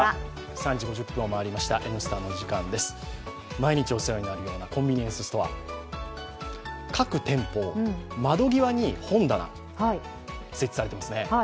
毎日お世話になるようなコンビニエンスストア、各店舗、窓際に本棚、絶対ありますね。